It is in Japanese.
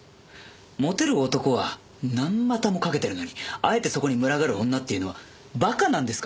モテる男は何股もかけてるのにあえてそこに群がる女っていうのは馬鹿なんですか？